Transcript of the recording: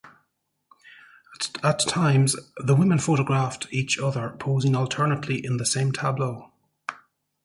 At times, the women photographed each other posing alternately in the same tableau.